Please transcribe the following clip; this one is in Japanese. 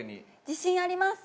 自信あります。